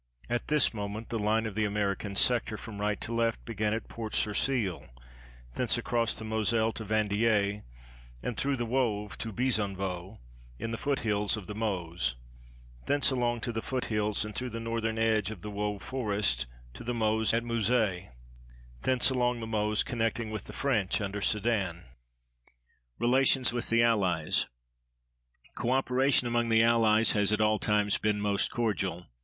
At this moment the line of the American sector, from right to left, began at Port sur Seille, thence across the Moselle to Vandières and through the Woevre to Bezonvaux, in the foothills of the Meuse, thence along to the foothills and through the northern edge of the Woevre forests to the Meuse at Mouzay, thence along the Meuse connecting with the French under Sedan. RELATIONS WITH THE ALLIES Co operation among the Allies has at all times been most cordial.